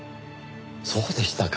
そうでしたか。